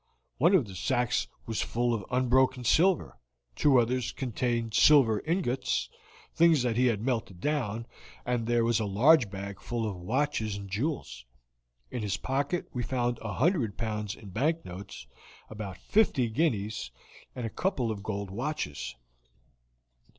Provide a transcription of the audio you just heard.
One of the sacks was full of unbroken silver, two others contained silver ingots, things that he had melted down, and there was a large bag full of watches and jewels. In his pocket we found a hundred pounds in bank notes, about fifty guineas, and a couple of gold watches."